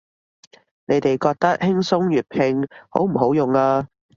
你哋覺得輕鬆粵拼好唔好用啊